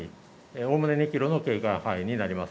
おおむね２キロの警戒範囲になります。